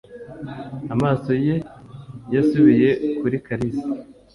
Amaso ye yasubiye kuri Kalisa.